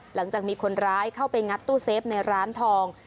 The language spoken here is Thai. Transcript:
หลังจากมีคนร้ายเข้าไปงัดตู้เซฟในร้านทอง